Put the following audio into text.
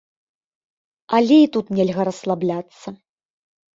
Але і тут нельга расслабляцца.